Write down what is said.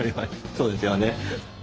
そうですよね。